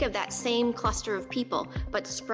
jadi pikirkan kelukuran orang orang yang sama